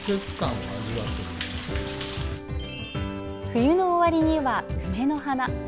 冬の終わりには梅の花